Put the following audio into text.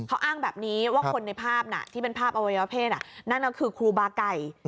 เขาอ้างแบบนี้ว่าคนในภาพน่ะที่เป็นภาพอวัยวะเพศนั่นก็คือครูบาไก่